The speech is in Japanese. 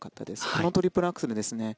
このトリプルアクセルですね。